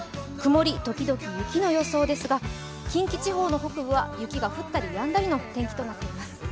曇り時々雪の予報ですが近畿地方の北部は雪が降ったりやんだりの天気となっています。